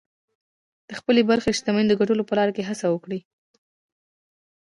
د خپلې برخې شتمنۍ د ګټلو په لاره کې هڅه وکړئ